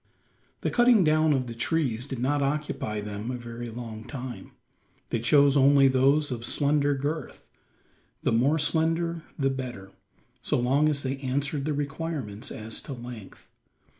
The cutting down of the trees did not occupy them a very long time. They chose only those of slender girth the more slender the better, so long as they answered the requirements as to length.